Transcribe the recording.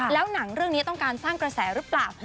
แล้วหนังเรื่องนี้ต้องการสร้างกระแสหรือเปล่า